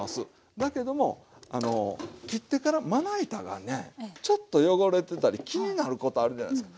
だけども切ってからまな板がねちょっと汚れてたり気になることあるじゃないですか。